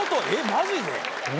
マジで？